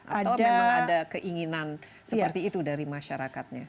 atau memang ada keinginan seperti itu dari masyarakatnya